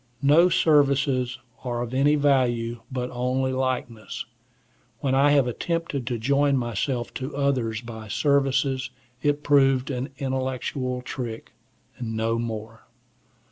No services are of any value, but only likeness. When I have attempted to join myself to others by services, it proved an intellectual trick,—no more.